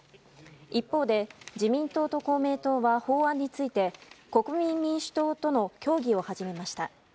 一方で自民党と公明党は法案について国民民主党との協議を始めました。